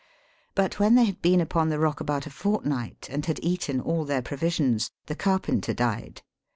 But, when they had l)cen upon the rock about a fortnight, and k»d eaten all their provisions, the carpenter died.